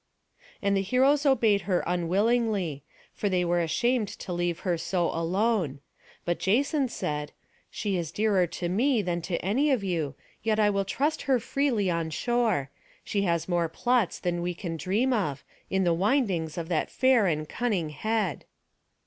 And the heroes obeyed her unwillingly; for they were ashamed to leave her so alone; but Jason said, "She is dearer to me than to any of you, yet I will trust her freely on shore; she has more plots than we can dream of, in the windings of that fair and cunning head."